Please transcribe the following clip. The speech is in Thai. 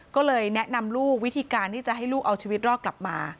ก็เลยแนะนำลูกวิธีการที่จะให้ลูกเอาชีวิตรอดกลับมา